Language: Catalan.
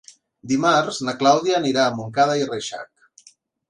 Dimarts na Clàudia anirà a Montcada i Reixac.